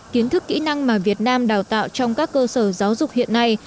kiến thức kỹ năng mà việt nam đào tạo trong các cơ sở giáo dục hiện nay